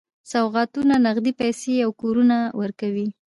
سوغاتونه، نغدي پیسې او کورونه ورکوي.